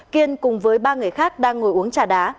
kiên cùng với ba người khác đang ngồi uống trà đá